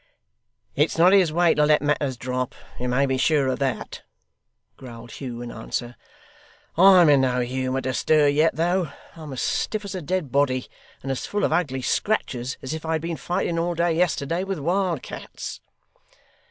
'It's not his way to let matters drop, you may be sure of that,' growled Hugh in answer. 'I'm in no humour to stir yet, though. I'm as stiff as a dead body, and as full of ugly scratches as if I had been fighting all day yesterday with wild cats.